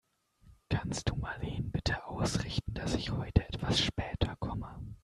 Kannst du Marleen bitte ausrichten, dass ich heute etwas später komme?